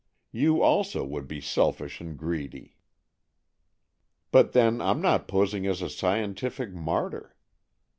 You also would be selfish and greedy." " But then I'm not posing as a scientific martyr.